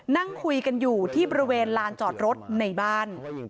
นั่งคุยกันอยู่ที่บริเวณลานจอดรถในบ้าน